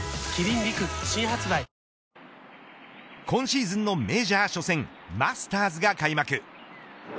今シーズンのメジャー初戦マスターズが開幕。